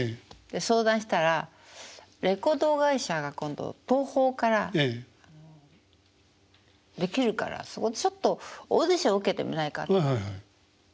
で相談したらレコード会社が今度東宝から出来るからそこでちょっとオーディション受けてみないかって言われて。